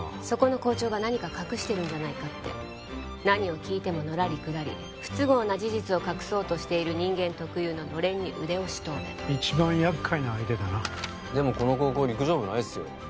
そこの校長が何か隠してるんじゃないかって何を聞いてものらりくらり不都合な事実を隠そうとしている人間特有ののれんに腕押し答弁一番厄介な相手だなでもこの高校陸上部ないっすよ